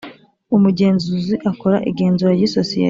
Umugenzuzi akora igenzura ry’isosiyete